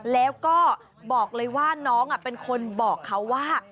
แล้วก็บอกเลยว่าน้องเป็นคนบอกเขาว่า